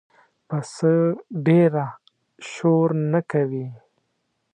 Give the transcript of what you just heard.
پسه ډېره شور نه کوي.